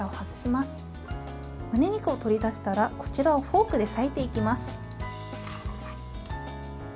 むね肉を取り出したらこちらはフォークで裂いていきます。